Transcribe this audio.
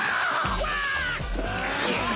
うわーっ！